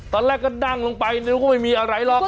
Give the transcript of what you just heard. ตอนแรกก็นั่งลงไปไม่มีอะไรหรอก